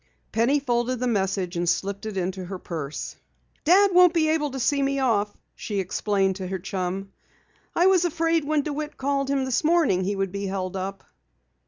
Penny folded the message and slipped it into her purse. "Dad won't be able to see me off," she explained to her chum. "I was afraid when DeWitt called him this morning he would be held up."